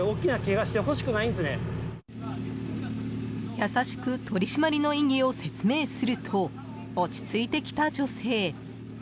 優しく取り締まりの意義を説明すると落ち着いてきた女性。